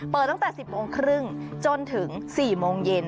เปิดตั้งแต่สิบโมงครึ่งจนถึงสี่โมงเย็น